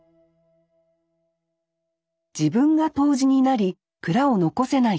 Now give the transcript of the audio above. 自分が杜氏になり蔵を残せないか。